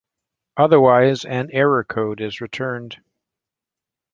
Otherwise an error code is returned.